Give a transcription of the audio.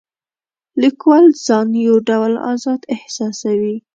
لیکوال ځان یو ډول آزاد احساسوي.